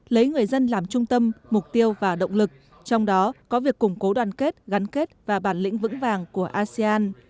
lấy người dân làm trung tâm mục tiêu và động lực trong đó có việc củng cố đoàn kết gắn kết và bản lĩnh vững vàng của asean